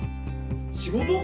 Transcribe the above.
仕事？